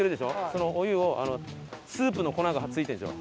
そのお湯をスープの粉が付いてるんですよ。